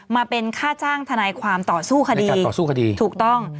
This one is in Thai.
มาเป็นค่าจ้างทนายความต่อสู้คดีต่อสู้คดีถูกต้อง